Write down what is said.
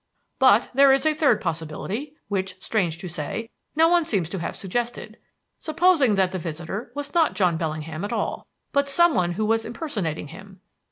"But there is a third possibility, which, strange to say, no one seems to have suggested. Supposing that the visitor was not John Bellingham at all, but some one who was impersonating him?